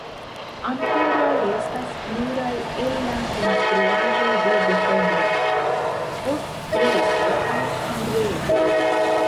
Ankoraŭ restas pluraj el la konstruaĵoj de defendo: fortreso kaj muregoj.